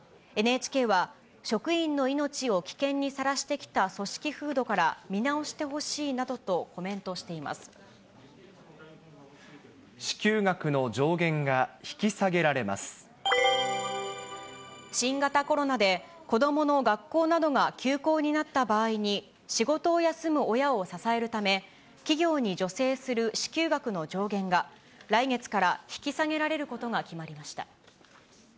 ＮＨＫは職員の命を危険にさらしてきた組織風土から見直してほし支給額の上限が引き下げられ新型コロナで、子どもの学校などが休校になった場合に、仕事を休む親を支えるため、企業に助成する支給額の上限が、来月から引き下げられることが決まりました。